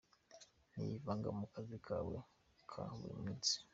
Ntiyivanga mu kazi kawe ka burimunsi.